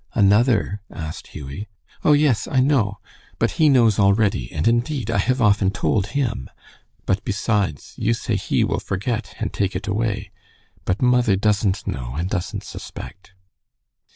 "Another?" asked Hughie. "Oh, yes, I know. But He knows already, and indeed I have often told Him. But besides, you say He will forget, and take it away. But mother doesn't know, and doesn't suspect."